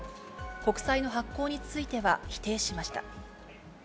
国債の発行については否定しました。